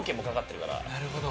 なるほど。